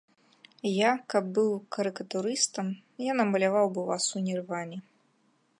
Я каб быў карыкатурыстам, я намаляваў бы вас у нірване.